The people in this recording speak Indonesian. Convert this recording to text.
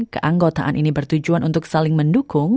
keanggotaan ini bertujuan untuk saling mendukung